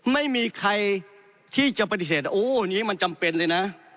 ไม่มีใครที่จะปฏิเสธโอ้นี้มันจำเป็นเลยนะ